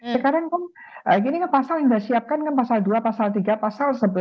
sekarang ini pasal yang disiapkan pasal dua pasal tiga pasal sebelas